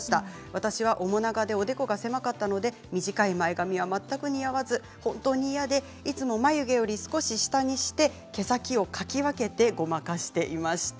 私は面長でおでこが狭かったので短い前髪が全く似合わず本当に嫌で、いつも眉毛より少し下にして毛先をかき分けてごまかしていました。